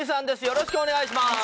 よろしくお願いします